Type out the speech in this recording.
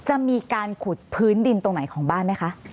จะมีการขุดพื้นดินตรงไหนของบ้านไหมคะ